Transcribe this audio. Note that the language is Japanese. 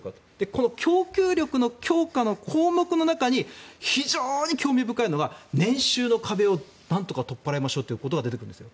この供給力の強化の項目の中に非常に興味深いのが年収の壁をなんとか取っ払いましょうということが出てくるんです。